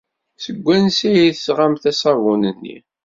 Seg wansi ay d-tesɣamt aṣabun-nni?